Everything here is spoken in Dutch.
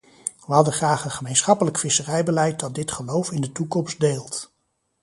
Wij hadden graag een gemeenschappelijk visserijbeleid dat dit geloof in de toekomst deelt.